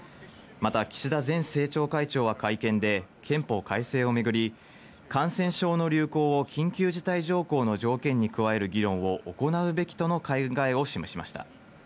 また岸田前政調会長は会見で、憲法改正をめぐり感染症の流行を緊急事態条項の条件に加える議論を行うべきとの考えを示しました。